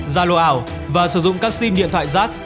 ra lô ảo và sử dụng các sim điện thoại rác